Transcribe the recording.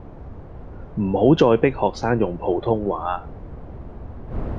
唔好再迫學生用普通話